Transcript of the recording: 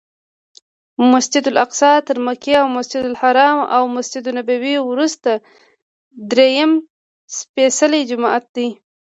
مسجدالاقصی تر مکې او مسجدالحرام او مسجدنبوي وروسته درېیم سپېڅلی جومات دی.